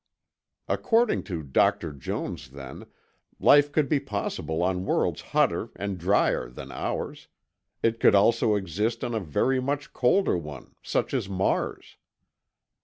According to Dr. Jones, then, life could be possible on worlds hotter and drier than ours; it could also exist on a very much colder one, such as Mars.